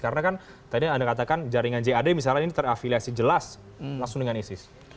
karena kan tadi anda katakan jaringan jad ini misalnya terafiliasi jelas langsung dengan isis